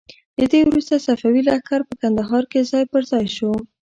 له دې وروسته صفوي لښکر په کندهار کې ځای په ځای شو.